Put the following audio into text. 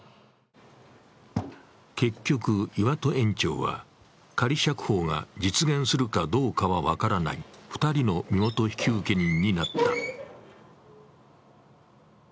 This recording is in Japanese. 結局、岩戸園長は仮釈放が実現するかどうかは分からない２人の身元引受人になった。